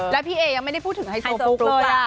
แล้วพี่เอยังไม่ได้พูดถึงไฮโซตุ๊กด้วย